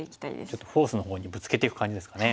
ちょっとフォースのほうにぶつけていく感じですかね。